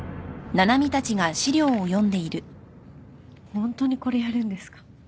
ホントにこれやるんですか？